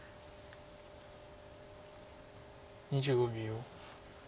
２５秒。